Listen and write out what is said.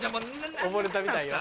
溺れたみたいよ。